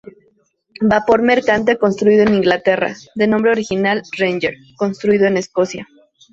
Vapor mercante construido en Inglaterra, de nombre original "Ranger", construido en Escocia.